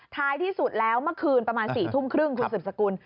ท้ายที่สุดแล้วเมื่อคืนประมาณ๔ทุ่มครึ่งคุณสืบสกุล